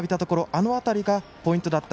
あの辺りがポイントだった。